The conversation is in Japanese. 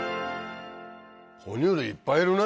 哺乳類いっぱいいるね。